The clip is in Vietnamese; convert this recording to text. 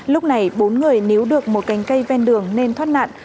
lúc này bốn người níu được một cành cây ven đường nên thoát nạn